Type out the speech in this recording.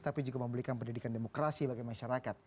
tapi juga memberikan pendidikan demokrasi bagi masyarakat